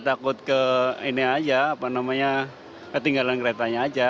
takut ke ini aja apa namanya ketinggalan keretanya aja